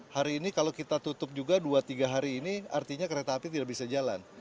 hari ini kalau kita tutup juga dua tiga hari ini artinya kereta api tidak bisa jalan